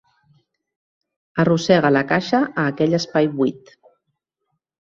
Arrossega la caixa a aquell espai buit.